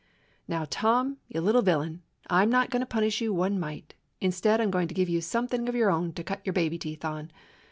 "Now, Tom, you little villain, I 'm not going to punish you one mite. Instead I 'm going to give you something "of your own to cut your baby teeth on.